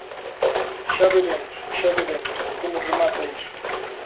Xa veremos, xa veremos como remata iso.